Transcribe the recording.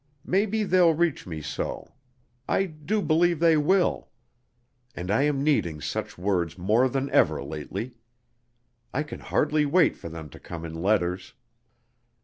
Maybe they'll reach me so. I do believe they will. And I am needing such words more than ever lately. I can hardly wait for them to come in letters.